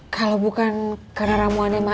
kalau bukan karena ramuannya